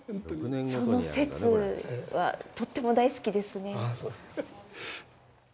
その説は、とっても大好きですね。